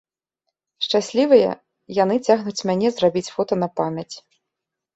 Шчаслівыя, яны цягнуць мяне зрабіць фота на памяць.